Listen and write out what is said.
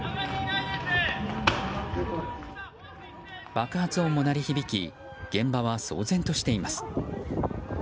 爆発音も鳴り響き現場は騒然としています。